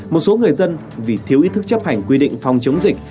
một số người dân vì thiếu ý thức chấp hành quy định phòng chống dịch